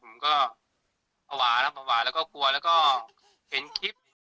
ผมก็หวาละหวาละและก็กลัวและก็เห็นคลิป